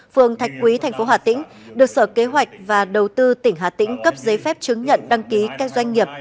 phường thạch quý thành phố hà tĩnh được sở kế hoạch và đầu tư tỉnh hà tĩnh cấp giấy phép chứng nhận đăng ký các doanh nghiệp